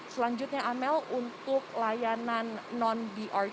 selanjutnya amel untuk layanan bus transjakarta setiap harinya